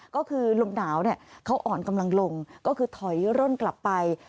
ก็คือลมหนาวเขาอ่อนกำลังลงก็คือถอยร่นกลับไป